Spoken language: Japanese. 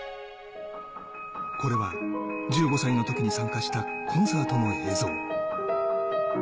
これは１５歳のときに参加したコンサートの映像。